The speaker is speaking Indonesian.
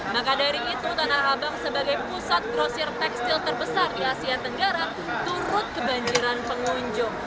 maka dari itu tanah abang sebagai pusat grosir tekstil terbesar di asia tenggara turut kebanjiran pengunjung